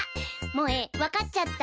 萌わかっちゃった。